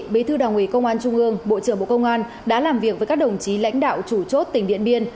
bí thư đảng ủy công an trung ương bộ trưởng bộ công an đã làm việc với các đồng chí lãnh đạo chủ chốt tỉnh điện biên